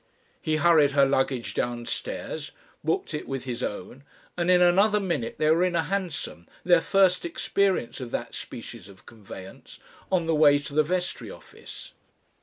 He hurried her luggage downstairs, booked it with his own, and in another minute they were in a hansom their first experience of that species of conveyance on the way to the Vestry office.